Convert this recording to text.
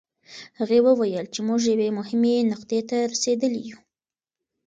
هغې وویل چې موږ یوې مهمې نقطې ته رسېدلي یوو.